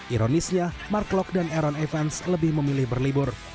ironisnya mark locke dan aaron evans lebih memilih berlibur